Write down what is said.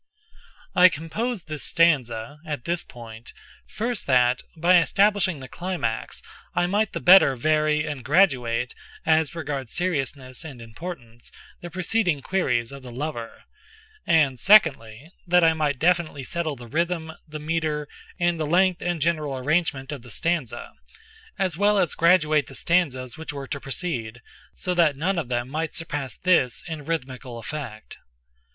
'"I composed this stanza, at this point, first that, by establishing the climax, I might the better vary and graduate, as regards seriousness and importance, the preceding queries of the lover—and, secondly, that I might definitely settle the rhythm, the meter, and the length and general arrangement of the stanza—as well as graduate the stanzas which were to precede, so that none of them might surpass this in rhythmical effect.